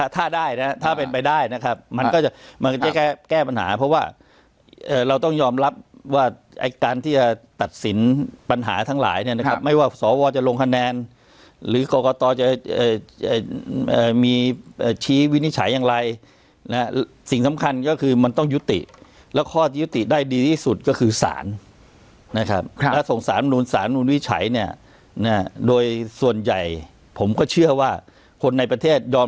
ถ้าได้นะถ้าเป็นไปได้นะครับมันก็จะมันก็จะแก้ปัญหาเพราะว่าเราต้องยอมรับว่าการที่จะตัดสินปัญหาทั้งหลายเนี่ยนะครับไม่ว่าสวจะลงคะแนนหรือกรกตจะมีชี้วินิจฉัยอย่างไรนะสิ่งสำคัญก็คือมันต้องยุติแล้วข้อยุติได้ดีที่สุดก็คือสารนะครับแล้วส่งสารนุนสารนุนวิจัยเนี่ยโดยส่วนใหญ่ผมก็เชื่อว่าคนในประเทศยอม